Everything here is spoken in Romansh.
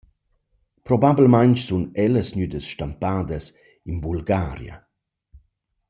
Probabelmaing sun ellas gnüdas stampadas in Bulgaria.